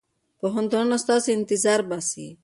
پوهنتونونه ستاسو انتظار باسي.